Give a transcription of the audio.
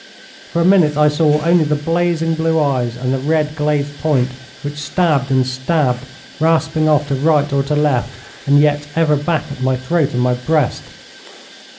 For a minute I saw only the blazing blue eyes, and the red glazed point which stabbed and stabbed, rasping off to right or to left, and yet ever back at my throat and my breast.